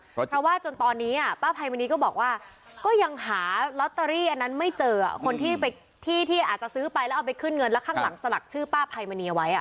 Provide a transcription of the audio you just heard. เพราะว่าจนตอนนี้ป้าภัยมณีก็บอกว่าก็ยังหาลอตเตอรี่อันนั้นไม่เจอคนที่ไปที่ที่อาจจะซื้อไปแล้วเอาไปขึ้นเงินแล้วข้างหลังสลักชื่อป้าภัยมณีเอาไว้